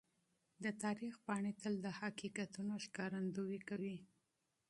د تاریخ پاڼې تل د حقیقتونو ښکارندويي کوي.